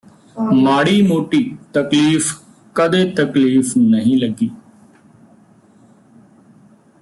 ਮਾੜੀ ਮੋਟੀ ਤਕਲੀਫ਼ ਕਦੇ ਤਕਲੀਫ਼ ਨਹੀਂ ਲੱਗੀ